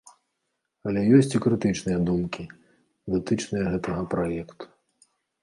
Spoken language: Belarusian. Але ёсць і крытычныя думкі, датычныя гэтага праекту.